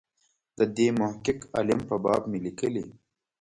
د دې محقق عالم په باب مې لیکلي.